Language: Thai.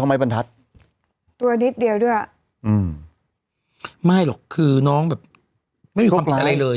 ทำไมบรรทัศน์ตัวนิดเดียวด้วยอืมไม่หรอกคือน้องแบบไม่มีความผิดอะไรเลย